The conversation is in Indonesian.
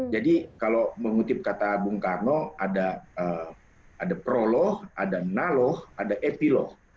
jadi kalau mengutip kata bung karno ada proloh ada naloh ada epiloh